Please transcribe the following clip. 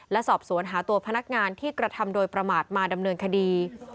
และสอบสวนหาตัวพนักงานที่กระทำโดยประมาทมาดำเนินคดี